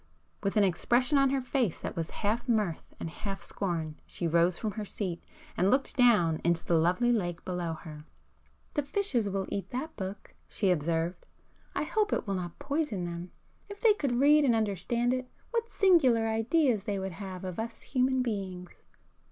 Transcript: With an expression on her face that was half mirth and half scorn, she rose from her seat, and looked down into the lovely lake below her. "The fishes will eat that book,—" she observed—"I hope it will not poison them! If they could read and understand it, what singular ideas they would have of us human beings!"